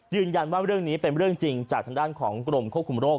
ยืนยันว่าเรื่องนี้เป็นเรื่องจริงจากทางด้านของกรมควบคุมโรค